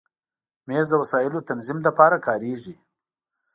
مېز د وسایلو تنظیم لپاره کارېږي.